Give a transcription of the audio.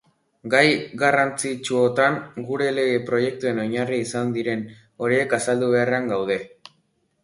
Gai garrantzitsuotan gure lege proiektuen oinarri izan diren horiek azaldu beharrean gaude.